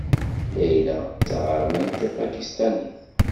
Layla d taɣermant tapakistanit.